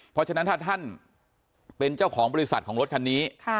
เพราะฉะนั้นถ้าท่านเป็นเจ้าของบริษัทของรถคันนี้